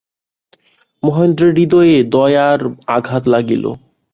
মহেন্দ্রের হৃদয়ে দয়ার আঘাত লাগিল।